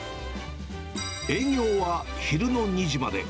営業は昼の２時まで。